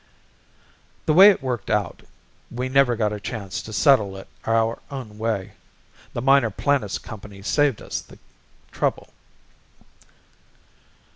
The way it worked out, we never got a chance to settle it our own way. The Minor Planets Company saved us the trouble.